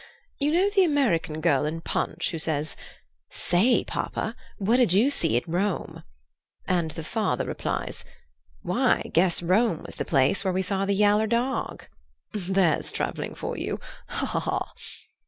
You know the American girl in Punch who says: 'Say, poppa, what did we see at Rome?' And the father replies: 'Why, guess Rome was the place where we saw the yaller dog.' There's travelling for you. Ha! ha! ha!"